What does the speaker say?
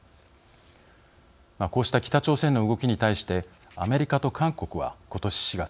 こうした北朝鮮の動きに対してアメリカと韓国は今年４月